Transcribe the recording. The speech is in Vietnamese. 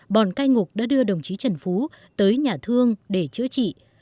bọn cai ngục đã đưa đồng chí trần phú tới nhà thương để chữa trị